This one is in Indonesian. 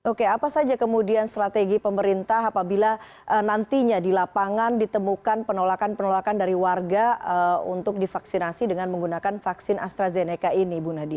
oke apa saja kemudian strategi pemerintah apabila nantinya di lapangan ditemukan penolakan penolakan dari warga untuk divaksinasi dengan menggunakan vaksin astrazeneca ini bu nadia